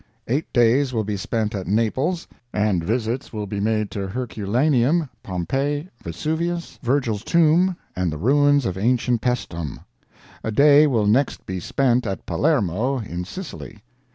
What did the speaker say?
Eight days will be spent at Naples, and visits will be made to Herculaneum, Pompeii, Vesuvius, Virgil's tomb, and the ruins of ancient Paestum. A day will next be spent at Palermo, in Sicily.